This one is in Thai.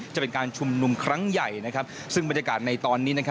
จะเป็นการชุมนุมครั้งใหญ่ซึ่งบรรยากาศในตอนนี้